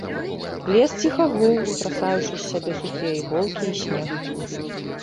Лес ціха гуў, страсаючы з сябе сухія іголкі і снег.